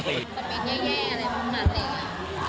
มันปิดแย่อะไรภูมิหนักอะไรอย่างเงี้ย